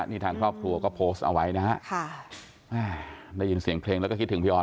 นี่ทางครอบครัวก็โพสต์เอาไว้นะฮะได้ยินเสียงเพลงแล้วก็คิดถึงพี่ออ